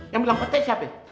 yang bilang petek siapa ya